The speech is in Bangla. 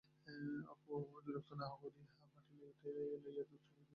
অপু দ্বিরুক্তি না করিয়া বাটি উঠাইয়া লইয়া দুধ চুমুক দিয়া খাইতে লাগিল।